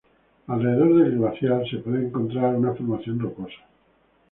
Alrededor del glaciar, se puede encontrar una formación rocosa.